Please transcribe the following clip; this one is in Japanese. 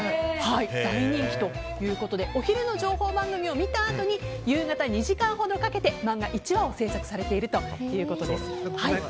大人気ということでお昼の情報番組を見たあとに夕方２時間ほどかけて漫画１話を制作されているということです。